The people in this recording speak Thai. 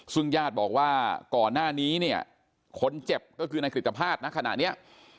คุณญาติบอกว่าก่อนหน้านี้คนเจ็บก็คือนายกฤตภาพขณะนี้